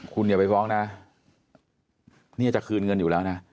คุณอย่าไปฟ้องนะเนี่ยจะคืนเงินอยู่แล้วนะ